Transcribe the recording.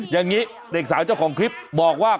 อย่างนี้เด็กสาวเจ้าของคลิปบอกว่า